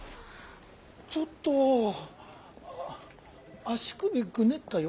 ちょっと足首ぐねったよ